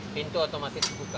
pintu otomatis dibuka